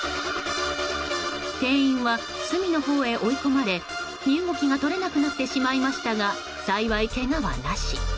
店員は隅のほうへ追い込まれ身動きが取れなくなってしまいましたが幸い、けがはなし。